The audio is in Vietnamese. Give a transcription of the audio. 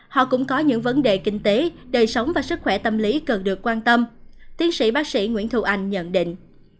họ cũng có những vấn đề kinh tế đời sống và sức khỏe tâm lý cần được quan tâm tiến sĩ bác sĩ nguyễn thu anh nhận định